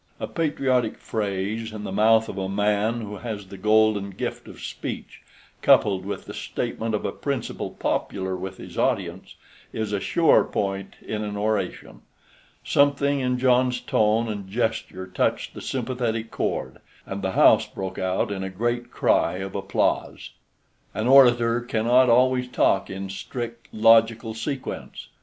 A patriotic phrase in the mouth of a man who has the golden gift of speech, coupled with the statement of a principle popular with his audience, is a sure point in an oration. Something in John's tone and gesture touched the sympathetic chord, and the house broke out in a great cry of applause. An orator cannot always talk in strict logical sequence.